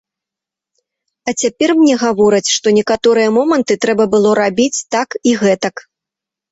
А цяпер мне гавораць, што некаторыя моманты трэба было рабіць так і гэтак.